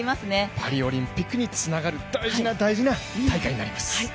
パリオリンピックにつながる大事な大事な大会になります。